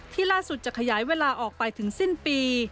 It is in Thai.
ล่าสุดจะขยายเวลาออกไปถึงสิ้นปี